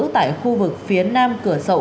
tại khu vực phía nam cửa sậu